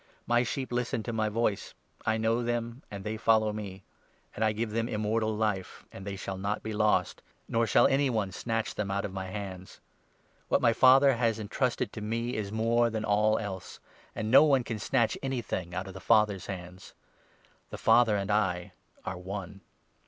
My sheep listen to my voice ; I know them, and they follow me; and I give them Immortal Life, and they shall not be lost ; nor shall anyone snatch them out of my hands. What my Father has entrusted to me is more than all else ; and no one can snatch anything out of the Father's hands. The Father and I are one.